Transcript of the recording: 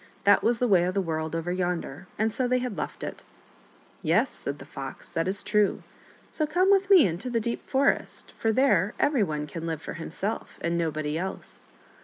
That was the way of the world over yonder, and so they had left it. " Yes," said the Fox, " that is true ; so come with me into the deep forest, for there every one can live for himself ! and nobody else.